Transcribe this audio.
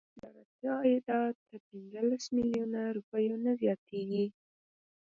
تجارتي عایدات تر پنځلس میلیونه روپیو نه زیاتیږي.